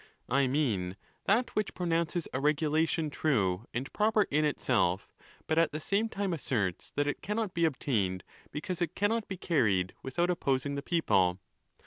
I mean that which pronounces a regulation true and proper in itself, but at the same time asserts that it cannot be obtained, because it cannot be carried without opposing the people.